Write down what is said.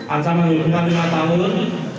akan menghubungkan lima tahun